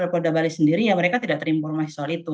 polda bali sendiri ya mereka tidak terinformasi soal itu